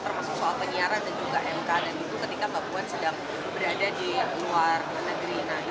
termasuk soal penyiaran dan juga mk dan itu ketika mbak puan sedang berada di luar negeri